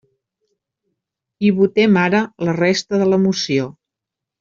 I votem ara la resta de la moció.